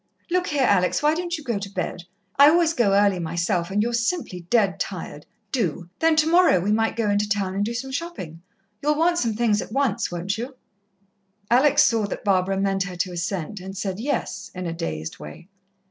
"Look here, Alex, why don't you go to bed? I always go early myself and you're simply dead tired. Do! Then tomorrow we might go into town and do some shopping. You'll want some things at once, won't you?" Alex saw that Barbara meant her to assent, and said "Yes" in a dazed way.